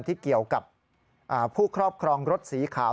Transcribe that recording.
ที่เกี่ยวกับผู้ครอบครองรถสีขาว